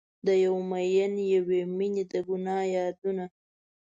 د یو میین یوې میینې د ګناه یادونه